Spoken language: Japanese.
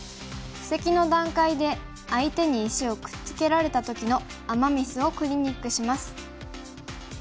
布石の段階で相手に石をくっつけられた時のアマ・ミスをクリニックします。